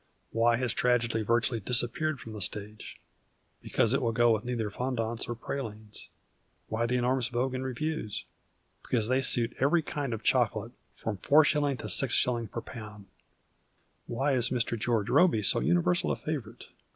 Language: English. Why has tragedy virtually disap peared from the stage ? Because it will go with neither fondants nor pralines. Why the enormous vogue of revues ? Because they suit every kind of chocolate from Is. to 6*. per lb. Why is Mr. George Robey so universal a favourite